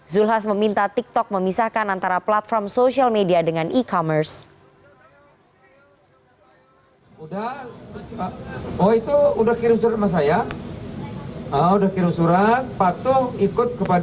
zulkifli hasan meminta tiktok memisahkan antara platform social media dengan e commerce